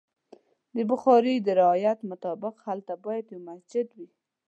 د بخاري د روایت مطابق هلته باید یو مسجد وي.